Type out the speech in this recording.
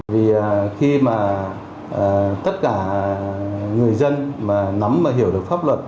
vì khi mà tất cả người dân mà nắm và hiểu được pháp luật